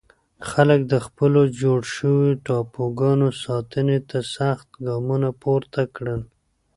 خلک د خپلو جوړ شوو ټاپوګانو ساتنې ته سخت ګامونه پورته کړل.